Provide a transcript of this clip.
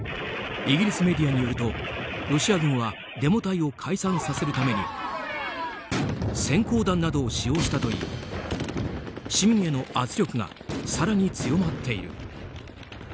イギリスメディアによるとロシア軍はデモ隊を解散させるために閃光弾などを使用したといい市民への圧力が更に強まっている。